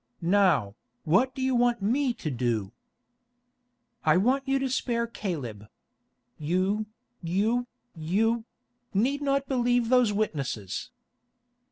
Now, what do you want me to do?" "I want you to spare Caleb. You, you, you—need not believe those witnesses."